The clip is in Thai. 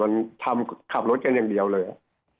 มันทำขับรถกันอย่างเดียวเลย